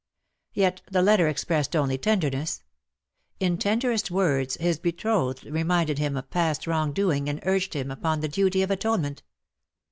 Yet the letter expressed only tenderness. In tenderest words his betrothed reminded him of past wrong doing and urged upon him the duty of atonement.